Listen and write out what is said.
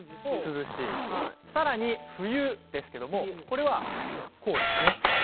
さらに、「冬」ですけどもこれは、こうですね。